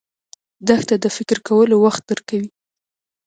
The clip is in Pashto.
دښته د فکر کولو وخت درکوي.